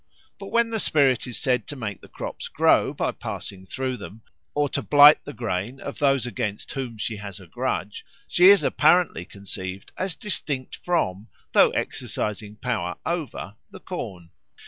But when the spirit is said to make the crops grow by passing through them, or to blight the grain of those against whom she has a grudge, she is apparently conceived as distinct from, though exercising power over, the corn.